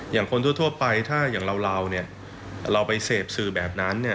อย่างคนทั่วไปถ้าอย่างเราเนี่ยเราไปเสพสื่อแบบนั้นเนี่ย